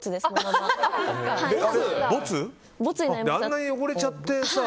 あんなに汚れちゃってさ。